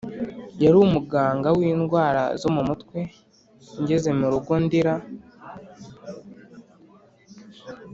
yari umuganga windwara zo mumutwe ngeze murugo ndira.